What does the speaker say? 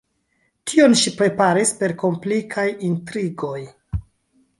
Tion ŝi preparis per komplikaj intrigoj.